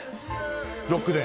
ロックで？